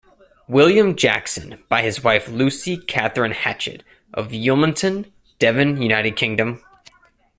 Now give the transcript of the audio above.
William Jackson, by his wife Lucy Catherine Hatchett, of Yealmpton, Devon, United Kingdom.